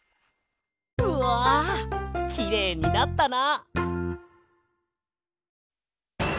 うわきれいになったな！